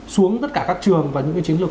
xuống tất cả các trường và những chiến lược